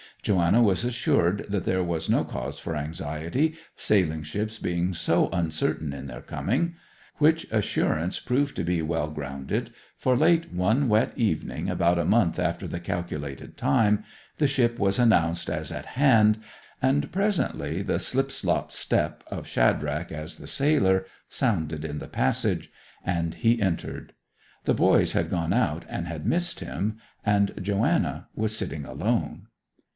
Joanna was assured that there was no cause for anxiety, sailing ships being so uncertain in their coming; which assurance proved to be well grounded, for late one wet evening, about a month after the calculated time, the ship was announced as at hand, and presently the slip slop step of Shadrach as the sailor sounded in the passage, and he entered. The boys had gone out and had missed him, and Joanna was sitting alone.